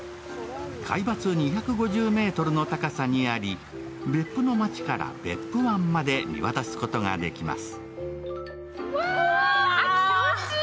海抜２５０ｍの高さにあり別府の街から別府湾まで見渡すことができます。